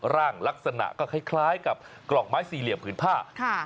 ร่างลักษณะก็คล้ายกับกล่องไม้สี่เหลี่ยมผืนผ้า